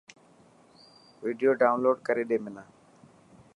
وڊيو ڊائونلوڊ ڪري ڏي منا.